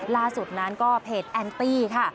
ล่าสุดนั้นก็เพจแอนตี้ค่ะ